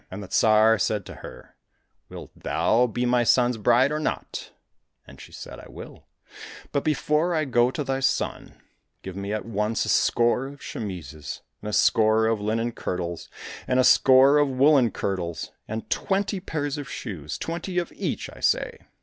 And the Tsar said to her, " Wilt thou be my son's bride or not ?"— And she said, " I will ; but before I go to thy son, give me at once a score of chemises, and a score of linen kirtles, and a score of woollen kirtles, and twenty pairs of shoes — twenty of each, I say."